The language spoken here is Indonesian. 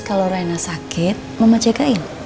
kalau riana sakit mama cekain